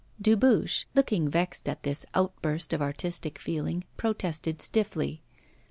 Dubuche, looking vexed at this outburst of artistic feeling, protested stiffly.